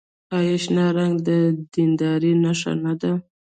آیا شنه رنګ د دیندارۍ نښه نه ده؟